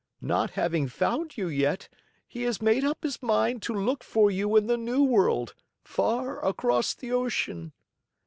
Not having found you yet, he has made up his mind to look for you in the New World, far across the ocean."